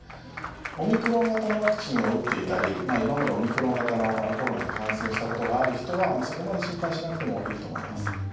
オミクロン型のワクチンを打っていたり今までオミクロン型のコロナに感染したことがある人はそこまで心配しなくてもいいと思います。